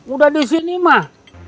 udah disini mah